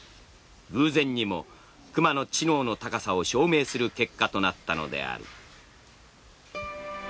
偶然にも熊の知能の高さを証明する結果となったのである。